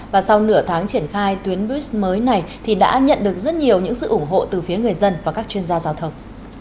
và sau nửa tháng triển khai tuyến brics mới này thì đã nhận được rất nhiều những sự ủng hộ từ phía người dân và các chuyên gia giao thông